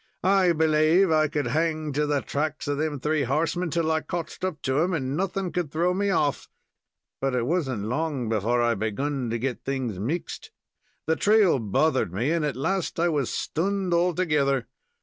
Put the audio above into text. I belave I could hang to the tracks of them three horsemen till I cotched up to 'em, and nothing could throw me off; but it was n't long before I begun to get things mixed. The trail bothered me, and at last I was stunned altogether.